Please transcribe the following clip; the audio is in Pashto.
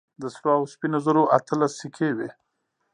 د سرو او سپينو زرو اتلس سيکې وې.